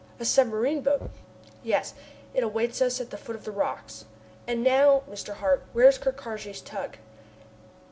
"A submarine boat!" "Yes, it awaits us at the foot of the rocks. And now, Mr. Hart, where is Ker Karraje's tug?"